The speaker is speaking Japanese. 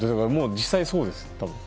実際にそうです。